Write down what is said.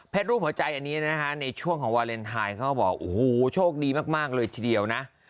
รูปหัวใจอันนี้นะคะในช่วงของวาเลนไทยเขาก็บอกโอ้โหโชคดีมากเลยทีเดียวนะ